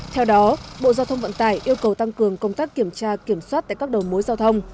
theo đó bộ giao thông vận tải yêu cầu tăng cường công tác kiểm tra kiểm soát tại các đầu mối giao thông